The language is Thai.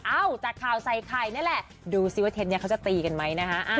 จากข่าวใส่ไข่นั่นแหละดูสิว่าเทปนี้เขาจะตีกันไหมนะฮะ